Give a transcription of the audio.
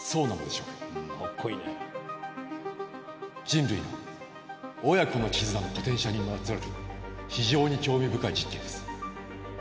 人類の親子の絆のポテンシャルにまつわる非常に興味深い実験です。